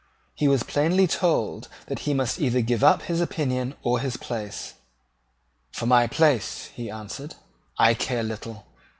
He was plainly told that he must either give up his opinion or his place. "For my place," he answered, "I care little.